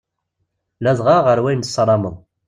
Ladɣa ɣer wayen tessarameḍ.